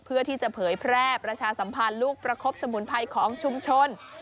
เพื่อที่จะเผยแพร่ประชาสัมพันธ์ลูกประคบสมุนไพรของชุมชน